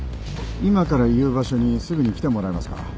今から言う場所にすぐに来てもらえますか